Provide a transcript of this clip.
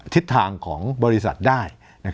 ทิศทางของบริษัทได้